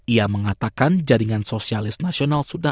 ia mengatakan jaringan sosialis nasional sudah